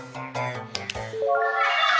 sebagian kuos gratis nih